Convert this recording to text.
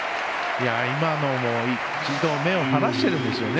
今のも一度目を離してるんですよね。